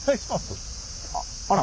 あっあら。